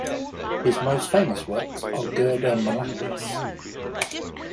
His most famous works are Gerda malaperis!